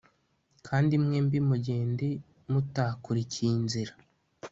kandi mwembi mugenda mutakurikiye inzira ..